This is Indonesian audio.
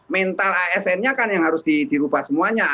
mental asn nya kan yang harus dirubah semuanya